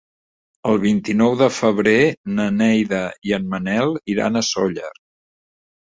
El vint-i-nou de febrer na Neida i en Manel iran a Sóller.